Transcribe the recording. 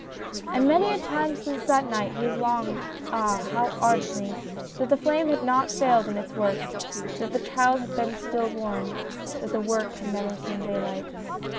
And many a time since that night has he longed (ah ! how ardently) that the flame had not failed in its work, that the child had been stillborn, that the book had never seen daylight.